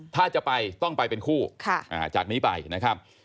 ถ้าจะไปต้องไปเป็นคู่จากนี้ไปนะครับ